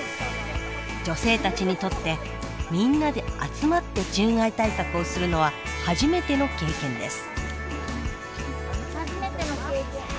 女性たちにとってみんなで集まって獣害対策をするのは初めての経験です。